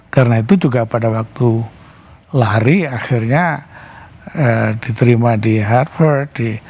karena itu juga pada waktu lari akhirnya diterima di hardvert